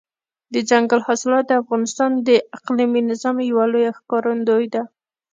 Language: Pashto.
دځنګل حاصلات د افغانستان د اقلیمي نظام یوه لویه ښکارندوی ده.